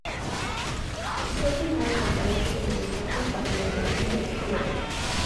Fue filmado en el Palacio de Bellas Artes bajo la dirección de Kiko Guerrero.